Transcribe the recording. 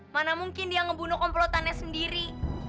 mana mungkin dia ngebunuh komplo tane sendiri